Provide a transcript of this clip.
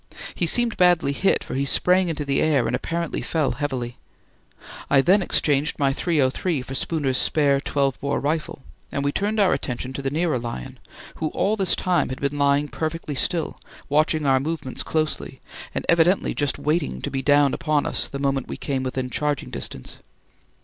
He seemed badly hit, for he sprang into the air and apparently fell heavily. I then exchanged my .303 for Spooner's spare 12 bore rifle, and we turned our attention to the nearer lion, who all this time had been lying perfectly still, watching our movements closely, and evidently just waiting to be down upon us the moment we came within charging distance.